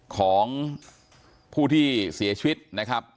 ของผู้ที่เสียชีวิตนะครับ